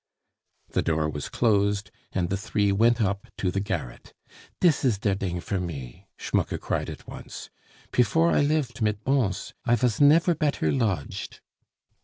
The door was closed, and the three went up to the garret. "Dis is der ding for me," Schmucke cried at once. "Pefore I lifd mid Bons, I vas nefer better lodged."